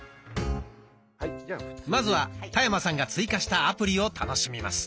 まずは田山さんが追加したアプリを楽しみます。